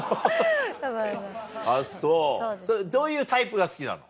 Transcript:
あっそうどういうタイプが好きなの？